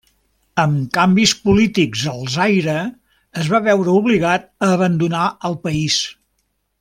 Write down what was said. Amb canvis polítics al Zaire, es va veure obligat a abandonar el país.